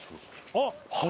あっ！